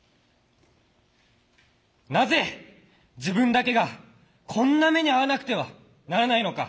なぜ自分だけがこんな目に遭わなくてはならないのか。